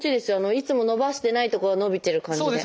いつも伸ばしてないとこが伸びてる感じで。